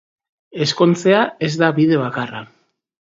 Ezkontzea ez da bide bakarra.